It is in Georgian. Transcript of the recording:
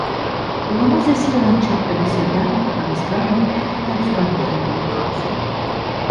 ულამაზესი ლანდშაფტებისა და ჰავის გამო აქ ფართოდ არის განვითარებული ტურიზმი.